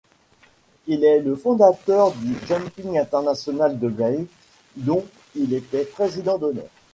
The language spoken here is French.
Il est le fondateur du Jumping international de Blaye dont il était président d'honneur.